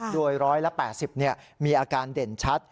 ด้วยร้อยละ๘๐มีอาการเด่นชัด